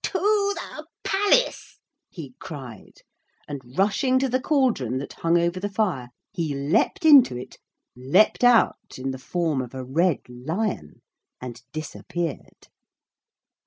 'To the palace!' he cried; and rushing to the cauldron that hung over the fire he leaped into it, leaped out in the form of a red lion, and disappeared.